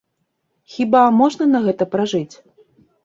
Хіба можна на гэта пражыць?